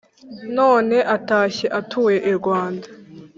None atashye atuye i Rwanda